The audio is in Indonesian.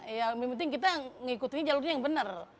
ya lebih penting kita mengikuti jalurnya yang benar